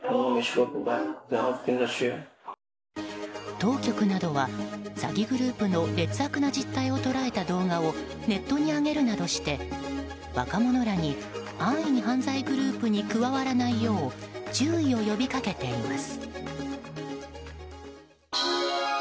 当局などは、詐欺グループの劣悪な実態を捉えた動画をネットに上げるなどして若者らに安易に犯罪グループに加わらないよう注意を呼び掛けています。